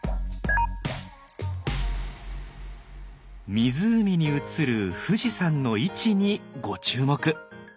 湖に映る富士山の位置にご注目！